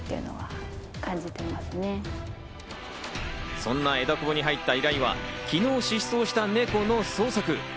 そんな枝久保に入った依頼は、昨日、失踪したネコの捜索。